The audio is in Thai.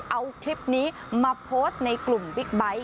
เอาคลิปนี้มาโพสต์ในกลุ่มบิ๊กไบท์